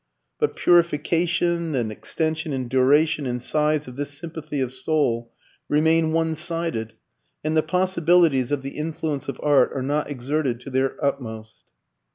But purification, and extension in duration and size of this sympathy of soul, remain one sided, and the possibilities of the influence of art are not exerted to their utmost.